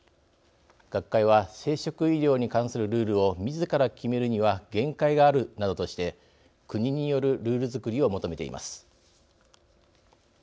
学会は生殖医療に関するルールをみずから決めるには限界があるなどとして国によるルールづくりを求めています。